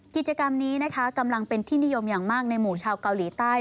กิจกรรมนี้นะคะกำลังเป็นที่นิยมอย่างมากในหมู่ชาวเกาหลีใต้